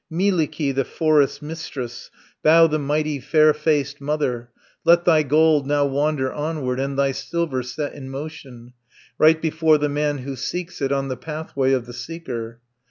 "Mielikki, the forest's mistress, Thou the mighty, fair faced mother! Let thy gold now wander onward, And thy silver set in motion, Right before the man who seeks it, On the pathway of the seeker.